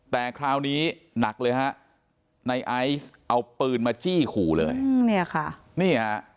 แต่คราวนี้หนักเลยฮะไอซ์เอาปืนมาจี้ขู่เลย